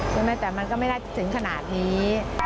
ใช่ไหมแต่มันก็ไม่ได้ถึงขนาดนี้